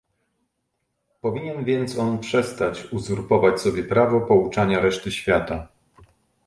Powinien więc on przestać uzurpować sobie prawo pouczania reszty świata